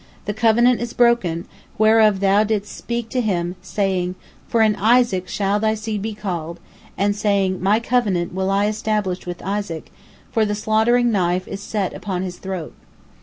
The covenant is broken, whereof Thou didst speak to him, saying, 'For in Isaac shall thy seed be called,' and saying, 'My covenant will I establish with Isaac,' for the slaughtering knife is set upon his throat."